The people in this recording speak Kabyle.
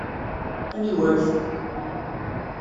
Aniwa-k?